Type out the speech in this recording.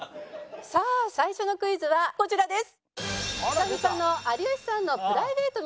さあ最初のクイズはこちらです。